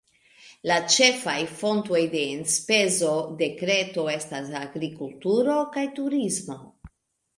La ĉefaj fontoj de enspezo de Kreto estas agrikulturo kaj turismo.